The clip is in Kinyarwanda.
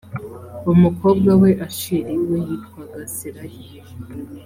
umukobwa wa asheri we yitwaga serahi.